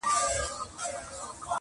چي مو ښارته ده راغلې یوه ښکلې،